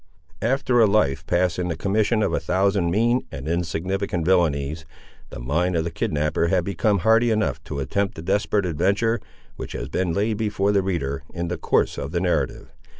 After a life passed in the commission of a thousand mean and insignificant villanies, the mind of the kidnapper had become hardy enough to attempt the desperate adventure, which has been laid before the reader, in the course of the narrative.